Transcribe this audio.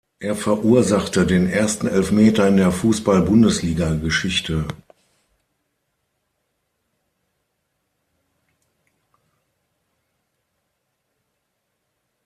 Er verursachte den ersten Elfmeter in der Fußball-Bundesliga-Geschichte.